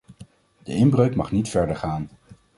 De inbreuk mag niet verder gaan.